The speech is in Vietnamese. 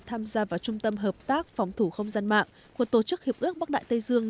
tham gia vào trung tâm hợp tác phòng thủ không gian mạng của tổ chức hiệp ước bắc đại tây dương